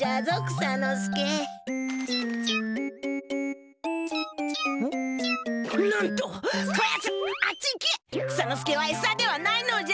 草ノ助はえさではないのじゃ！